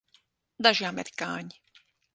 Daži amerikāņi.